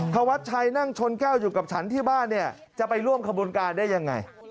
ขวัฒน์ชัยนั่งชนแก้วอยู่กับฉันที่บ้านจะไปร่วมขบูรณ์การได้ยังไง